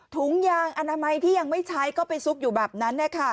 ถุงยางอนามัยที่ยังไม่ใช้ก็ไปซุกอยู่แบบนั้น